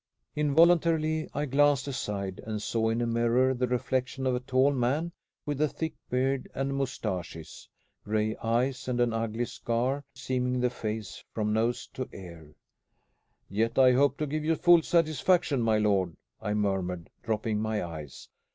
Involuntarily I glanced aside, and saw in a mirror the reflection of a tall man with a thick beard and moustaches, gray eyes, and an ugly scar seaming the face from nose to ear. "Yet I hope to give you full satisfaction, my lord," I murmured, dropping my eyes.